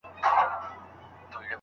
زه ـ زه يم زه يمه او زه يمه او زه دې شمه